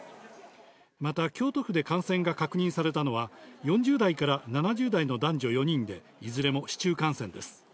また京都府で感染が確認されたのは４０代から７０代の男女４人でいずれも市中感染です。